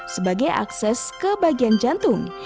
sebagai akses ke bagian jantung